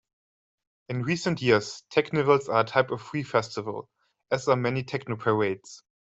In recent years, teknivals are a type of free festival, as are many technoparades.